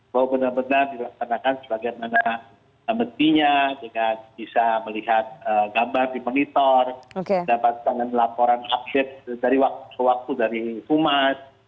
bahwa benar benar dilaksanakan sebagaimana pentingnya bisa melihat gambar di monitor dapat laporan update dari waktu waktu dari pumas